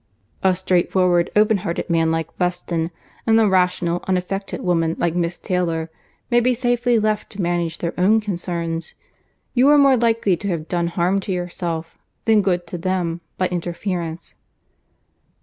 "A straightforward, open hearted man like Weston, and a rational, unaffected woman like Miss Taylor, may be safely left to manage their own concerns. You are more likely to have done harm to yourself, than good to them, by interference."